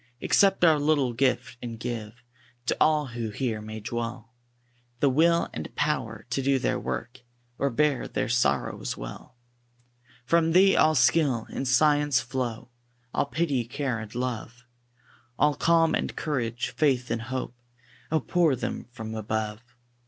Accept our little gift, and give To all who here may dwell, The will and power to do their work, Or bear their sorrows well. From Thee all skill and science flow; All pity, care, and love, All calm and courage, faith and hope, Oh! pour them from above.